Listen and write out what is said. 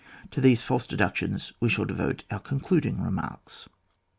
To Uiese false deductions we shall devote our concluding remarks.